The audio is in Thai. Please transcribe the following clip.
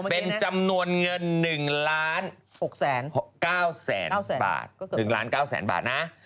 เป็นจำนวนเงิน๑ล้าน๙แสนบาท